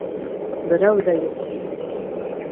— Берәү ҙә юҡ...